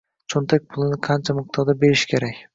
Cho‘ntak pulini qancha miqdorda berish kerak?